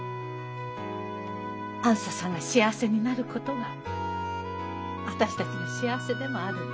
あづささんが幸せになることが私たちの幸せでもあるの。